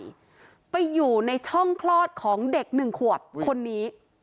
ของผู้ใหญ่ไปอยู่ในช่องคลอดของเด็กหนึ่งขวบคนนี้